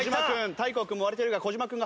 大光君も割れているが小島君が早い。